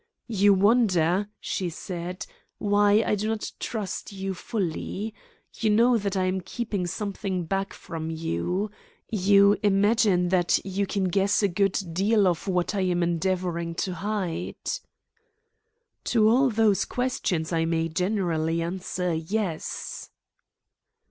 "You wonder," she said, "why I do not trust you fully? You know that I am keeping something back from you? You imagine that you can guess a good deal of what I am endeavouring to hide?" "To all those questions, I may generally answer 'Yes.'"